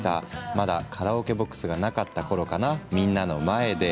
まだカラオケボックスがなかったころかな、みんなの前で。